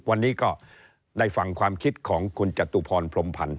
วันนี้ก็ได้ฟังความคิดของคุณจตุพรพรมพันธ์